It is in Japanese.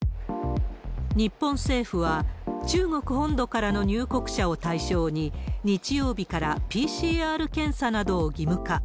日本政府は、中国本土からの入国者を対象に、日曜日からＰＣＲ検査などを義務化。